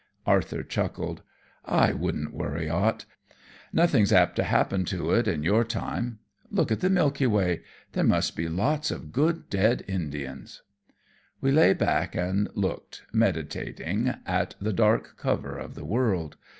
Arthur chuckled. "I wouldn't worry, Ott. Nothing's apt to happen to it in your time. Look at the Milky Way! There must be lots of good dead Indians." We lay back and looked, meditating, at the dark cover of the world.